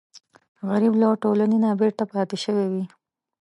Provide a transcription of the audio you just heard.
غریب له ټولنې نه بېرته پاتې شوی وي